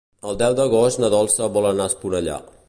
El deu d'agost na Dolça vol anar a Esponellà.